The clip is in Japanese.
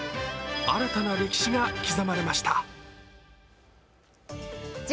新たな歴史が刻まれました。